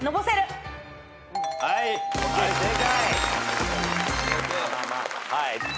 はい正解。